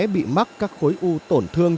bị mắc các khối u tổn thương